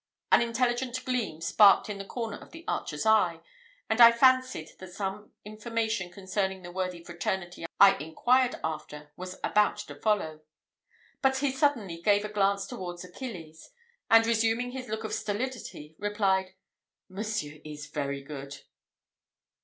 An intelligent gleam sparkled in the corner of the archer's eye, and I fancied that some information concerning the worthy fraternity I inquired after was about to follow: but he suddenly gave a glance towards Achilles; and, resuming his look of stolidity, replied, "Monsieur is very good."